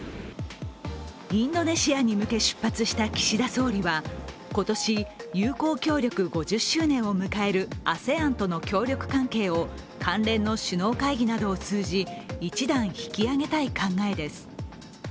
インドネシアに向け、出発した岸田総理は今年、友好協力５０周年を迎えるＡＳＥＡＮとの協力関係を関連の首脳会議などを通じ、一段引き上げたい考です。